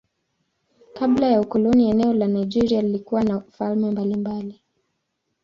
Kabla ya ukoloni eneo la Nigeria lilikuwa na falme mbalimbali.